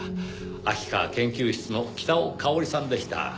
秋川研究室の北尾佳織さんでした。